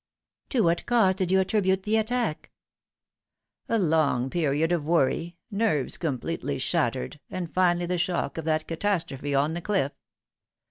" To what cause did you attribute the attack ?"" A long period of worry, nerves completely shattered, and finally the shock of that catastrophe on the cliff.